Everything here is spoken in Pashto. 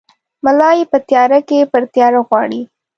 ملا ېې په تیاره کې پر تیاره غواړي!